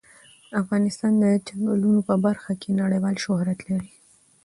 افغانستان د چنګلونه په برخه کې نړیوال شهرت لري.